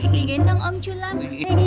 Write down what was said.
di gendong om sulam